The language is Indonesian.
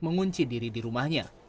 mengunci diri di rumahnya